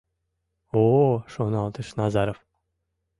«О-о, — шоналтыш Назаров.